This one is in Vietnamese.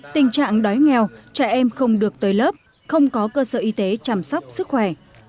tình trạng đói nghèo trẻ em không được tới lớp không có cơ sở y tế chăm sóc sức khỏe